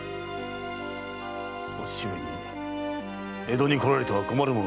お父上に江戸に来られては困る者の策謀でしょう。